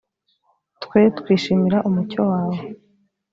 twe twishimira umucyo wawe